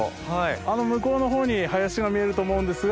あの向こうのほうに林が見えると思うんですが。